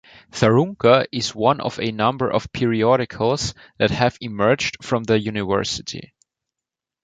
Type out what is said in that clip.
"Tharunka" is one of a number of periodicals that have emerged from the university.